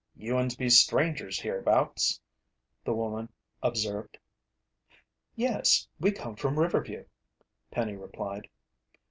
"You'uns be strangers hereabouts," the woman observed. "Yes, we come from Riverview," Penny replied.